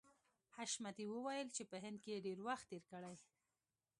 حشمتي وویل چې په هند کې یې ډېر وخت تېر کړی